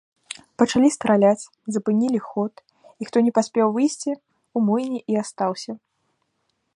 Пачалі страляць, запынілі ход, і хто не паспеў выйсці, у млыне і астаўся.